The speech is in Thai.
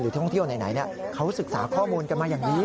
ท่องเที่ยวไหนเขาศึกษาข้อมูลกันมาอย่างดี